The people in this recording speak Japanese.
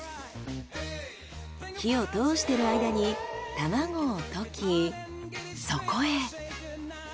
火を通している間に卵を溶きそこへ。